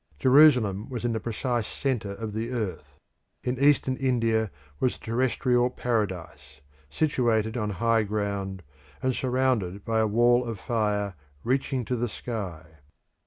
Jerusalem was in the precise centre of the earth. In Eastern India was the Terrestrial Paradise, situated on high ground, and surrounded by a wall of fire, reaching to the sky.